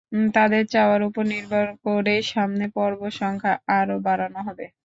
তাঁদের চাওয়ার ওপর নির্ভর করেই সামনে পর্ব সংখ্যা আরও বাড়ানো হবে।